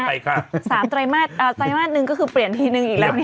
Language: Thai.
๓ไตรมาสอ่าไตรมาสหนึ่งก็คือเปลี่ยนทีนึงอีกแล้ว